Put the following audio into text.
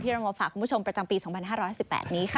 เรามาฝากคุณผู้ชมประจำปี๒๕๕๘นี้ค่ะ